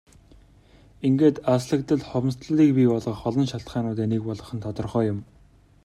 Ингээд алслагдал хомсдолыг бий болгох олон шалтгаануудын нэг болох нь тодорхой юм.